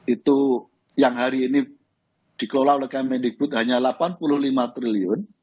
itu yang hari ini dikelola oleh kemendikbud hanya rp delapan puluh lima triliun